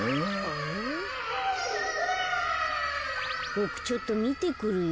ボクちょっとみてくるよ。